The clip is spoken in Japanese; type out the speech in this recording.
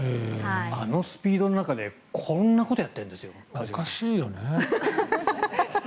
あのスピードの中でこんなことをやっているんですよ。